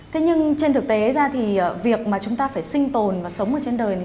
thế nhưng trên thực tế ra thì việc mà chúng ta phải sinh tồn và sống ở trên đời thì đã rất lâu rồi